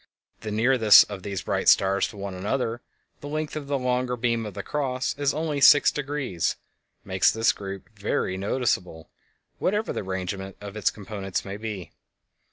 The nearness of these bright stars to one another—the length of the longer beam of the "Cross" is only sixdegrees—makes this group very noticeable, whatever the arrangement of its components may be.